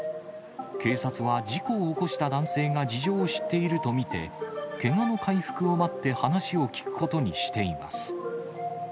警察は、事故を起こした男性が事情を知っていると見て、けがの回復を待って話を聴くことにしています。